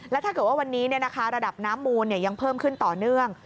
แล้วถ้าเกิดว่าวันนี้ระดับน้ำมูลยังเพิ่มขึ้นต่อเนื่อง